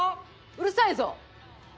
うるさいぞ！